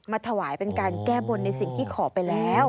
ถวายเป็นการแก้บนในสิ่งที่ขอไปแล้ว